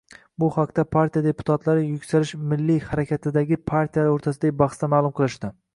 Bu haqda partiya deputatlari Yuksalish milliy harakatidagi partiyalar o'rtasidagi bahsda ma'lum qilishdi.